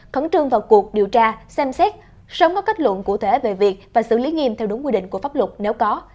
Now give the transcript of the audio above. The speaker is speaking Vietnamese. khẩn trương vào cuộc điều tra xem xét sớm có kết luận cụ thể về việc và xử lý nghiêm theo đúng quy định của pháp luật nếu có